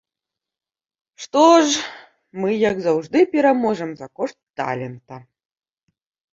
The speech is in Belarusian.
Што ж, мы, як заўжды, пераможам за кошт талента.